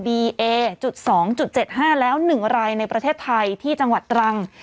บีเอจุดสองจุดเจ็ดห้าแล้วหนึ่งรายในประเทศไทยที่จังหวัดตรัง